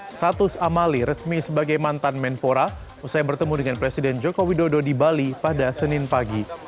status amali resmi sebagai mantan menpora usai bertemu dengan presiden joko widodo di bali pada senin pagi